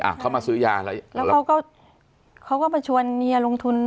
เขามาซื้อยาแล้วแล้วเขาก็เขาก็มาชวนเมียลงทุน